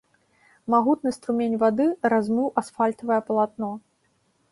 Магутны струмень вады размыў асфальтавае палатно.